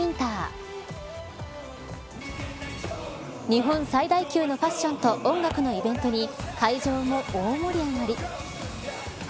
日本最大級のファッションと音楽のイベントに会場も大盛り上がり。